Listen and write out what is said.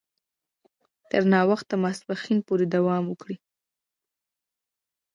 تر ناوخته ماپښین پوري دوام وکړ.